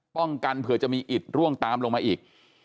ป้องกันเผื่อจะมีอิตร่วงตามลงมาอีก